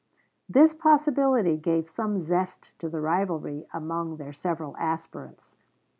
This possibility gave some zest to the rivalry among their several aspirants.